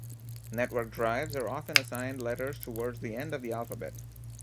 Network drives are often assigned letters towards the end of the alphabet.